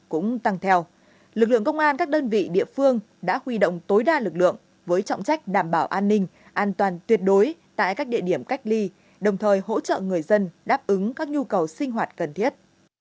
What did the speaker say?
cũng tăng theo lực lượng công an các đơn vị địa phương đã huy động tối đa lực lượng với trọng trách đảm bảo an ninh an toàn tuyệt đối tại các địa điểm cách ly đồng thời hỗ trợ người dân đáp ứng các nhu cầu sinh hoạt cần thiết